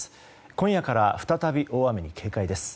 今夜から再び大雨に警戒です。